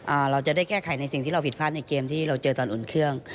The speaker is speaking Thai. เราจะได้แก้ไขในสิ่งที่เราผิดพลาดในเกมที่เราเจอตอนอุ่นเครื่อง